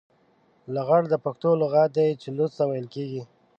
لغړ د پښتو لغت دی چې لوڅ ته ويل کېږي.